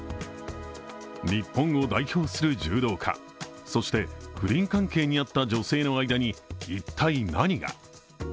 日本を代表する柔道家そして不倫関係にあった女性の間に一体何が。